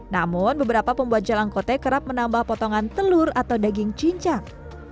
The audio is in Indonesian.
namun beberapa pembuat jalangkote kerap menambah potongan telur atau daging cincang